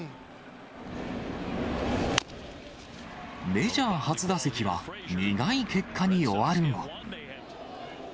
メジャー初打席は、苦い結果に終わるも。